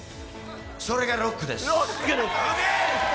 それがロックです。